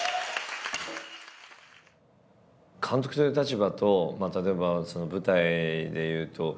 監督という立場と例えば舞台でいうと僕も。